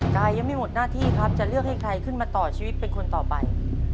กายยังไม่หมดหน้าที่ครับจะเลือกให้ใครขึ้นมาต่อชีวิตเป็นคนต่อไป